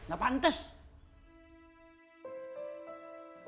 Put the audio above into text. mun nyaman tuh disaingin dengan emak